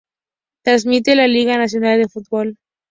Transmite la Liga Nacional de Fútbol.